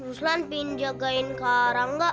ruslan pingin jagain kak rangga